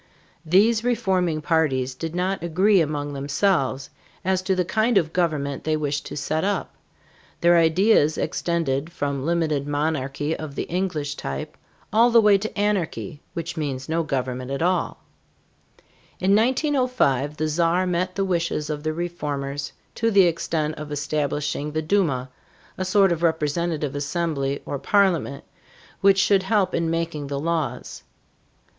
These reforming parties did not agree among themselves as to the kind of government they wished to set up; their ideas extended from limited monarchy of the English type, all the way to anarchy, which means no government at all. In 1905 the Czar met the wishes of the reformers to the extent of establishing the Duma, a sort of representative assembly or parliament, which should help in making the laws.